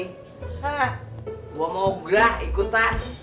gue mau grah ikutan